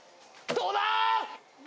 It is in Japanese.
どうだ！？